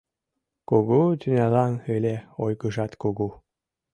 Кугу тӱнялан ыле ойгыжат кугу